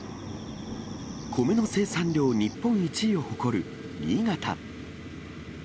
米の生産量日本一を誇る新潟。